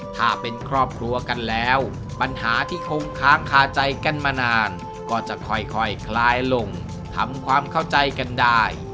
ถ้าเป็นครอบครัวกันแล้วปัญหาที่คงค้างคาใจกันมานานก็จะค่อยคลายลงทำความเข้าใจกันได้